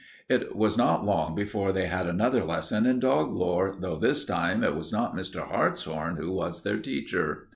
It was not long before they had another lesson in dog lore, though this time it was not Mr. Hartshorn who was their teacher.